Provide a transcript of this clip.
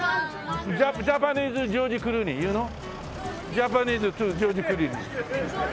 ジャパニーズジョージ・クルーニー。